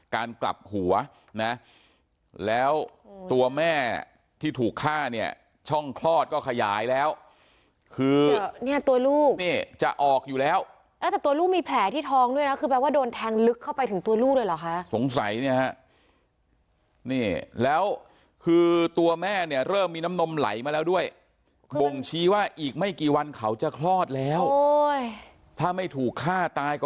กลับหัวนะแล้วตัวแม่ที่ถูกฆ่าเนี่ยช่องคลอดก็ขยายแล้วคือเนี่ยตัวลูกนี่จะออกอยู่แล้วแล้วแต่ตัวลูกมีแผลที่ท้องด้วยนะคือแปลว่าโดนแทงลึกเข้าไปถึงตัวลูกเลยเหรอคะสงสัยเนี่ยฮะนี่แล้วคือตัวแม่เนี่ยเริ่มมีน้ำนมไหลมาแล้วด้วยบ่งชี้ว่าอีกไม่กี่วันเขาจะคลอดแล้วโอ้ยถ้าไม่ถูกฆ่าตายก็